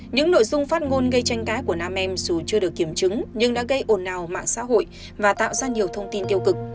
những nội dung phát ngôn gây tranh cãi của nam em dù chưa được kiểm chứng nhưng đã gây ồn ào mạng xã hội và tạo ra nhiều thông tin tiêu cực